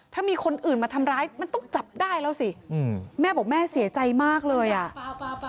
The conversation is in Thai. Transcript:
ถ้ามีคนอื่นมาทำร้ายมันต้องจับได้แล้วสิอืมแม่บอกแม่เสียใจมากเลยอ่ะ